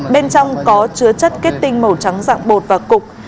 bên trong có chứa chất kết tinh màu trắng dạng bột và cục